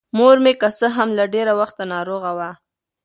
مـور مـې کـه څـه هـم له ډېـره وخـته نـاروغـه وه.